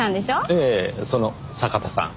ええその酒田さん。